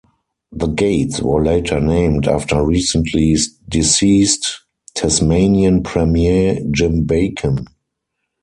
The gates were later named after recently deceased Tasmanian Premier Jim Bacon.